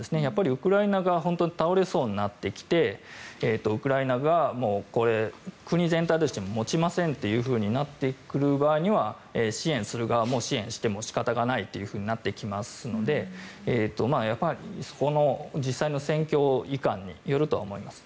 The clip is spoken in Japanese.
ウクライナが本当に倒れそうになってきてウクライナが国全体として持ちませんとなってくる場合には支援する側も、支援しても仕方がないとなってきますので実際の戦況いかんによるとは思います。